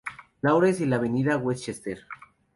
Lawrence y la Avenida Westchester.